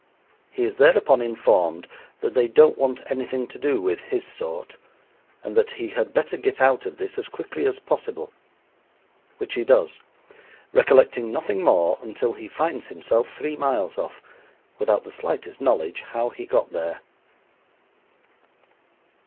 He is thereupon informed that they don't want anything to do with his sort, and that he had better get out of this as quickly as possible, which he does, recollecting nothing more until he finds himself three miles off, without the slightest knowledge how he got there.